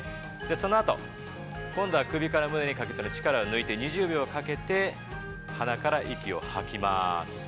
そのあと、今度は首から胸にかけて、力を抜いて２０秒かけて鼻から息を吐きます。